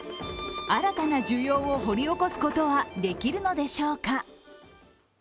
新たな需要を掘り起こすことはできるのでしょうか。